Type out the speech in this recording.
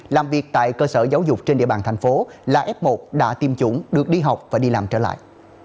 làm việc tại cơ sở giáo dục trên địa bàn thành phố là f một đã tiêm chủng được đi học và đi làm trở lại